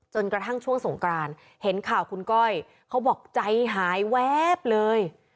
กระทั่งช่วงสงกรานเห็นข่าวคุณก้อยเขาบอกใจหายแวบเลย